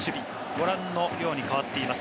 ご覧のように代わっています。